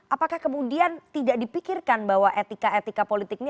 apakah kemudian tidak dipikirkan bahwa etika etika politik ini